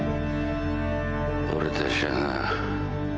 俺たちはな